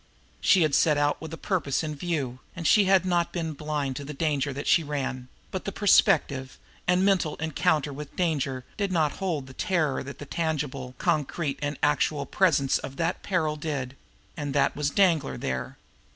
She had set out with a purpose in view, and she had not been blind to the danger that she ran, but the prospective and mental encounter with danger did not hold the terror that the tangible, concrete and actual presence of that peril did and that was Danglar there.